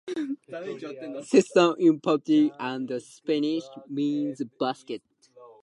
Cestos in Portuguese and Spanish means basket.